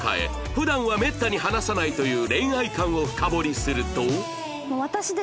普段はめったに話さないという恋愛観を深掘りすると